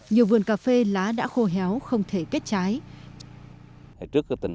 nhiều vườn cà phê lá đã khô héo không thể kết trái